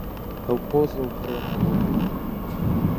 ئەو قۆز و هەروەها دەوڵەمەندە.